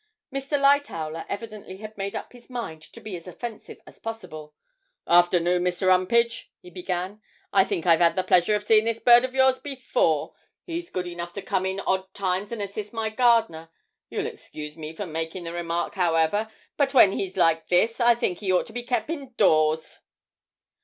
Mr. Lightowler evidently had made up his mind to be as offensive as possible. 'Afternoon, Mr. 'Umpage,' he began; 'I think I've 'ad the pleasure of seeing this bird of yours before; he's good enough to come in odd times and assist my gardener; you'll excuse me for making the remark, however, but when he's like this I think he ought to be kep' indoors.'